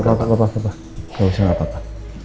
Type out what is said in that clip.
gak apa apa gak usah gak apa apa